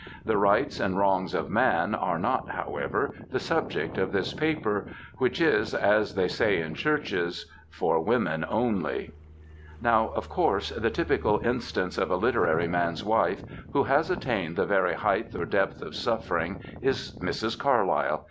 The Rights and Wrongs of Man are not, however, the subject of this paper, which is, as they say in churches, ^* For Women Only.'"* TRIALS OF A WIFE 108 Now, of course, the typical instance of it literary mane's wife who has attained the very height or depth of suffering is Mrs. Carlyle.